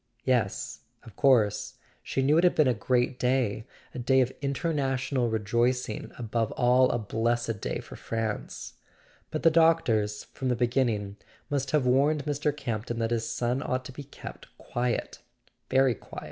Yes, of course—she knew it had been a great day, a day of international rejoicing, above all a blessed day for France. But the doctors, from the beginning, must have warned Mr. Campton that his son ought to be kept quiet—very quiet.